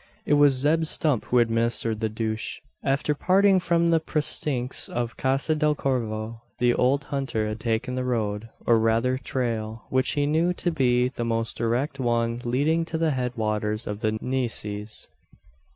It was Zeb Stump who administered the douche. After parting from the precincts of Casa del Corvo, the old hunter had taken the road, or rather trail, which he knew to be the most direct one leading to the head waters of the Nueces.